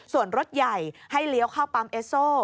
ส่วนรถใหญ่ให้เลี้ยวเข้าปั๊มเอสโซ